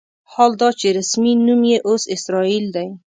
حال دا چې رسمي نوم یې اوس اسرائیل دی.